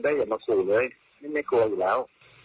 เจ๊อย่ามะขูเลยท่านไม่กลัวอยู่แล้ว